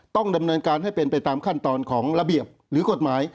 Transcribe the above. ต้องดำเนินการให้เป็นไปตามขั้นตอนของระเบียบหรือกฎหมาย